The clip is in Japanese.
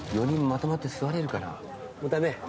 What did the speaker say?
４人まとまって座れるかなもう駄目？